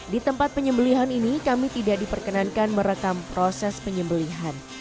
di tempat penyembelihan ini kami tidak diperkenankan merekam proses penyembelihan